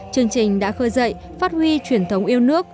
chương trình đã khơi dậy phát huy truyền thống yêu nước